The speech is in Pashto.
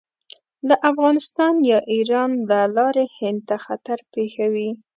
له افغانستان یا ایران له لارې هند ته خطر پېښوي.